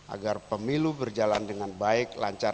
agar pemilu berjalan dengan baik lancar